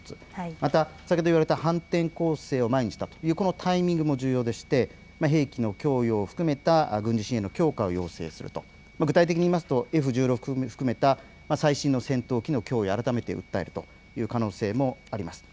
また先ほど言われた反転攻勢を前にしたというこのタイミングも重要でして、兵器の供与を含めた軍事支援の強化を要請すると、具体的にいいますとＦ１６を含めた最新の戦闘機の供与を改めて訴えるという可能性もあります。